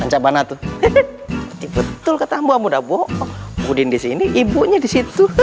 jangan bang muklis